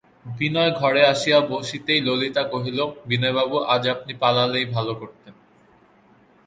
বিনয় ঘরে আসিয়া বসিতেই ললিতা কহিল, বিনয়বাবু, আজ আপনি পালালেই ভালো করতেন।